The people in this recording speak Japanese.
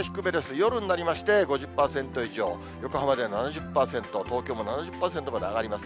夜になりまして、５０％以上、横浜では７０％、東京も７０％まで上がります。